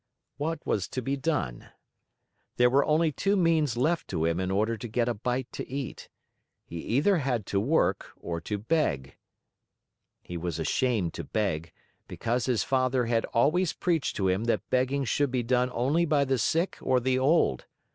What was to be done? There were only two means left to him in order to get a bite to eat. He had either to work or to beg. He was ashamed to beg, because his father had always preached to him that begging should be done only by the sick or the old.